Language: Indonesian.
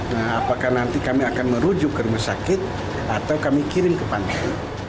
nah apakah nanti kami akan merujuk ke rumah sakit atau kami kirim ke pantai